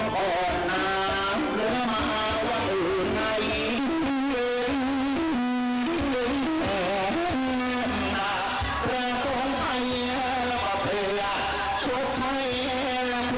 ขึ้นมาออกก่อนนะเหลือมาวันอื่นในเมือง